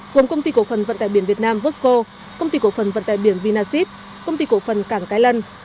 gồm công ty cổ phần vận tải biển việt nam vosco công ty cổ phần vận tải biển vinasip công ty cổ phần cảng cái lân